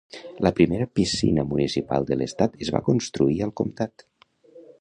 la primera piscina municipal de l'estat es va construir al comtat.